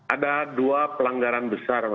ada dua pelanggaran besar